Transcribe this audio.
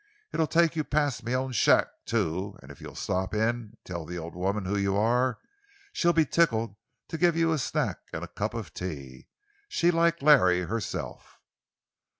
It'll take you past me own shack, too; an' if you'll stop in an' tell the ol' woman who you are, she'll be tickled to give you a snack an' a cup of tea. She liked Larry herself."